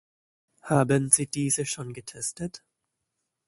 Haben Sie diese schon getestet?